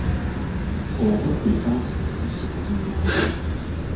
Obudde anti kati buzze ku bunnaabwo.